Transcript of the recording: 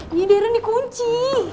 ini deren dikunci